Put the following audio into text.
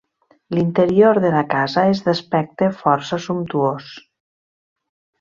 L'interior de la casa és d'aspecte força sumptuós.